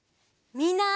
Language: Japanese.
みんな。